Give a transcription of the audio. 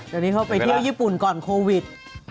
เดี๋ยวนี้เขาไปเที่ยวญี่ปุ่นก่อนโควิด